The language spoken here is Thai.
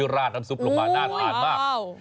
ร้านน้ำซุปลงมานานร้านมากโอ้โหอ้าว